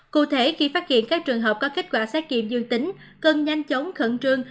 cụ thể khi phát hiện các trường hợp có kết quả xét nghiệm dương tính cần nhanh chóng khẩn trương